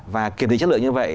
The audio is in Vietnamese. và kiểm trí chất lượng như vậy